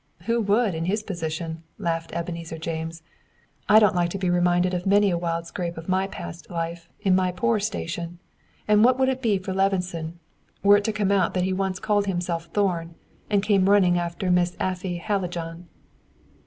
"Who would, in his position?" laughed Ebenezer James. "I don't like to be reminded of many a wild scrape of my past life, in my poor station; and what would it be for Levison, were it to come out that he once called himself Thorn, and came running after Miss Afy Hallijohn?"